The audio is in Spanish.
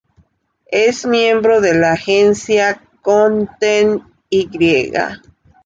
Es miembro de la agencia "Content Y".